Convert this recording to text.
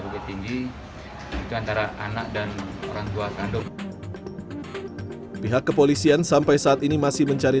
bukit tinggi itu antara anak dan orang tua kandung pihak kepolisian sampai saat ini masih mencari